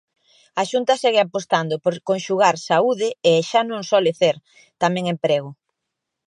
A Xunta segue apostando por conxugar saúde e, xa non só lecer, tamén emprego.